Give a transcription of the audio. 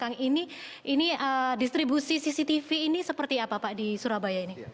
kang ini distribusi cctv ini seperti apa pak di surabaya ini